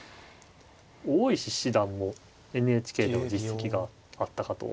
大石七段もＮＨＫでは実績があったかと思います。